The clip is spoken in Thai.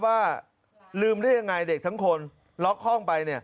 ว่าลืมได้ยังไงเด็กทั้งคนล็อกห้องไป